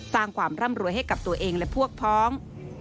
สร้างความร่ำรวยให้กับตัวเองและพวกพ้อง